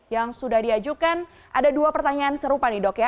yang sudah diajukan ada dua pertanyaan serupa nih dok ya